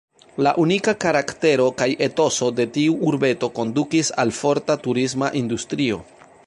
La unika karaktero kaj etoso de tiu urbeto kondukis al forta turisma industrio.